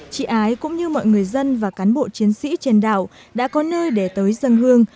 chị ái cũng như mọi người dân và cán bộ chiến sĩ trên đảo đã có nơi để tới dân hương